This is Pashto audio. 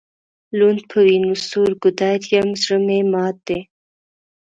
لوند په وینو سور ګودر یم زړه مي مات دی